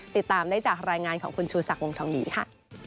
ติดตามได้จากรายงานของคุณชูศักดิ์วงทองดีค่ะ